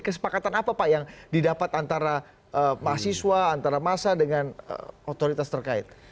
kesepakatan apa pak yang didapat antara mahasiswa antara masa dengan otoritas terkait